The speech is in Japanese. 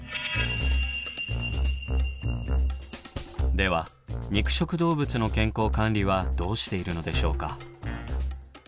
では肉食動物の健康管理はどうしているのでしょうか。